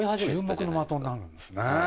注目の的になるんですね。